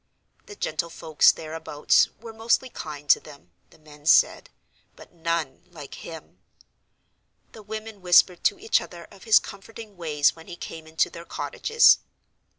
The gentlefolks thereabouts were mostly kind to them (the men said), but none like him. The women whispered to each other of his comforting ways when he came into their cottages.